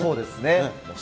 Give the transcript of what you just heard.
そうですね。